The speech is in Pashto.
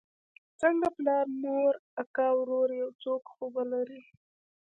څنگه پلار مور اکا ورور يو څوک خو به لرې.